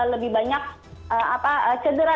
lebih banyak cedera